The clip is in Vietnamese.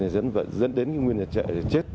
dẫn đến nguyên nhân chết